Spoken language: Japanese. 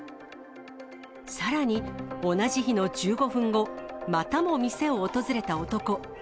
さらに、同じ日の１５分後、またも店を訪れた男。